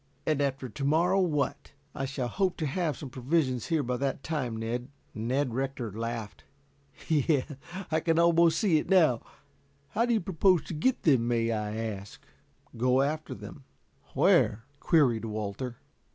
"And after to morrow what?" "I shall hope to have some provisions here by that time, Ned." Ned Rector laughed. "Yes, I can almost see it now. How do you propose to get them, may I ask?" "Go after them." "Where?" queried Walter.